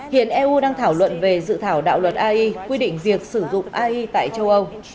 hiện eu đang thảo luận về dự thảo đạo luật ai quy định việc sử dụng ai tại châu âu